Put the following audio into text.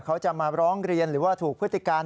เขาจะมาร้องเรียนหรือว่าถูกพฤติการ